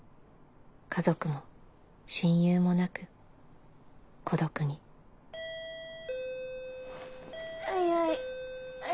家族も親友もなく孤独にはいはい。